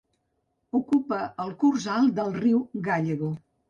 Ocupa el curs alt del riu Gállego.